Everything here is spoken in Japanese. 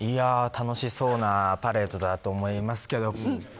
楽しそうなパレードだと思いますけど。